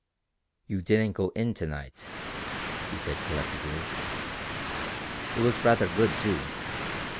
"You didn't go in to night," he said, collectively. "It was rather good, too."